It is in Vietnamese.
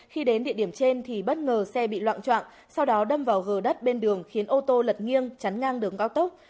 khi đến địa điểm trên thì bất ngờ xe bị loạn trọng sau đó đâm vào gờ đất bên đường khiến ô tô lật nghiêng chắn ngang đường cao tốc